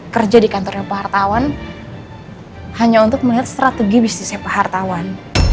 kerja di kantornya pak hartawan hanya untuk melihat strategi bisnisnya pak hartawan